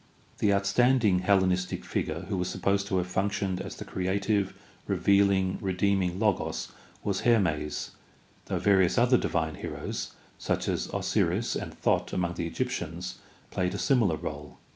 The outstanding Hellenistic figure who was supposed to have functioned as the creative, revealing, redeem ing Logos was Hermes, though various other divine heroes, such as Osiris and Thot among the Egyptians, played a similar role.